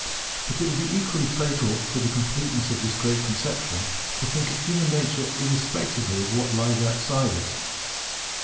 But it would be equally fatal to the completeness of this great conception to think of human nature irrespectively of what lies outside it.